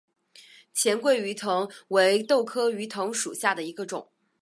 黔桂鱼藤为豆科鱼藤属下的一个种。